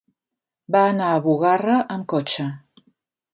Va anar a Bugarra amb cotxe.